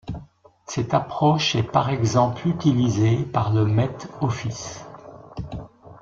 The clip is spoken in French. Cette approche est par exemple utilisée par le Met Office.